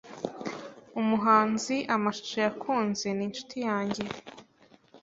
Umuhanzi, amashusho yakunze, ni inshuti yanjye.